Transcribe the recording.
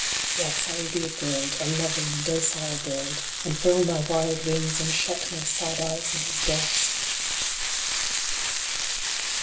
Yes, I will be a bird a loving, docile bird and furl my wild wings, and shut my sad eyes in his breast